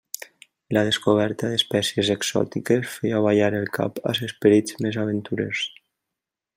La descoberta d'espècies exòtiques feia ballar el cap als esperits més aventurers.